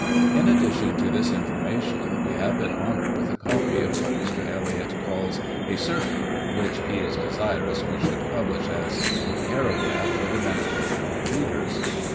In addi tion to this information, we have been honoured with a copy of what Mr. Elliott calls a ' cercler,' which he is desirous we should pubhsh as a paragraph for the benefit of our readers.